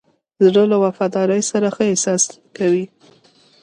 زړه له وفادارۍ سره ښه احساس کوي.